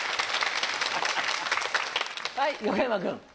はい横山君。